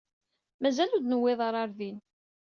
Mazal ur d-newwiḍ ara ɣer din.